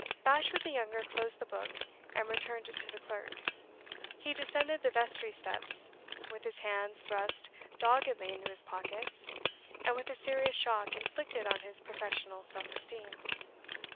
Bashwood the younger closed the book, and returned it to the clerk. He descended the vestry steps, with his hands thrust doggedly into his pockets, and with a serious shock inflicted on his professional self esteem.